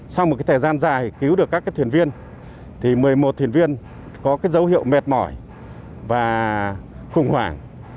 sau một thời gian dài cứu được các thuyền viên một mươi một thuyền viên có dấu hiệu mệt mỏi và khủng hoảng